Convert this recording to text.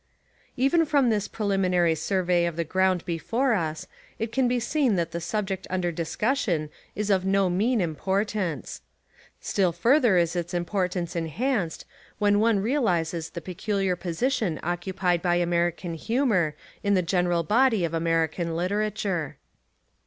Even from this preliminary survey of the ground before us it can be seen that the subject under discussion is of no mean importance. Still further is its importance enhanced when 103 Essays and Literary Studies one realises the peculiar position occupied by American humour in the general body of Amer ican literature.